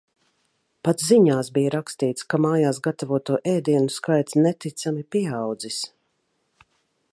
Pat ziņās bija rakstīts, ka mājās gatavoto ēdienu skaits neticami pieaudzis.